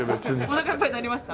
おなかいっぱいになりました？